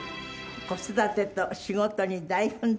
子育てと仕事に大奮闘。